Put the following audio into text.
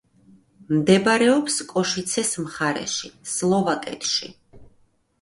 მდებარეობს კოშიცეს მხარეში, სლოვაკეთში.